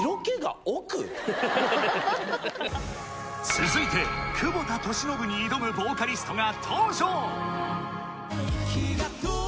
続いて久保田利伸に挑むボーカリストが登場！